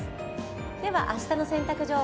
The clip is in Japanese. では明日の洗濯情報。